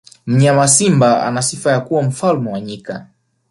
mnyama simba ana sifa ya kuwa mfalme wa nyika